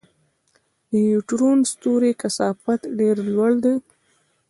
د نیوټرون ستوري کثافت ډېر لوړ دی.